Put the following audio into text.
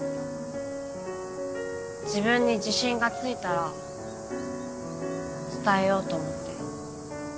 自分に自信がついたら伝えようと思って。